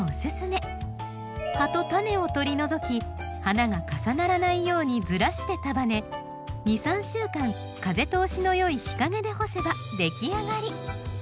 葉と種を取り除き花が重ならないようにずらして束ね２３週間風通しの良い日陰で干せば出来上がり。